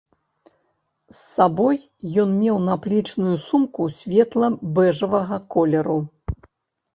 З сабой ён меў наплечную сумку светла-бэжавага колеру.